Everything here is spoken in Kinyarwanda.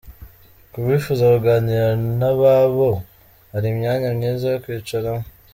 Ku bifuza kuganira n'ababo hari imyanya myiza yo kwicaramo.